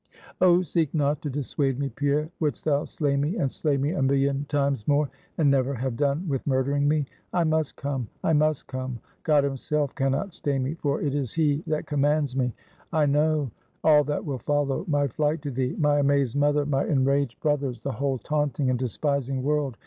"Oh seek not to dissuade me, Pierre. Wouldst thou slay me, and slay me a million times more? and never have done with murdering me? I must come! I must come! God himself can not stay me, for it is He that commands me. I know all that will follow my flight to thee; my amazed mother, my enraged brothers, the whole taunting and despising world.